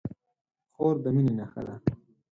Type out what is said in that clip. خور د مینې نښه ده.